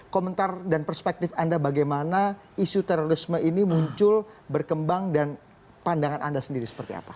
komentar dan perspektif anda bagaimana isu terorisme ini muncul berkembang dan pandangan anda sendiri seperti apa